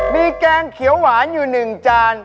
มีแกงเขียวหวานอยู่๑จาน